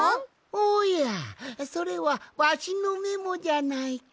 おやそれはわしのメモじゃないか。